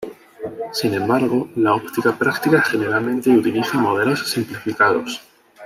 Sin embargo, la óptica práctica generalmente utiliza modelos simplificados.